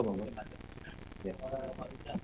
pemikir recognize berst pane lama pak wina